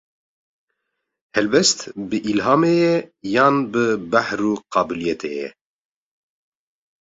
Helbest, bi îlhamê ye yan bi behr û qabîliyetê ye?